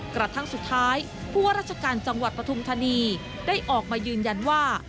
กระทั่งสุดท้ายผู้ว่าราชการจังหวัดปฐุมธานีได้ออกมายืนยันว่า